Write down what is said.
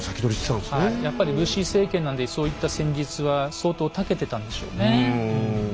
はいやっぱり武士政権なんでそういった戦術は相当たけてたんでしょうね。